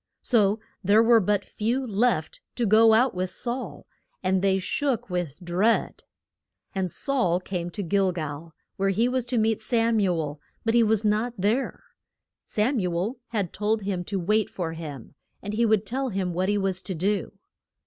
So there were but few left to go out with Saul, and they shook with dread. And Saul came to Gil gal, where he was to meet Sam u el, but he was not there. Sam u el had told him to wait for him, and he would tell him what he was to do.